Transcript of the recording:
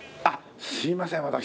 あっすいません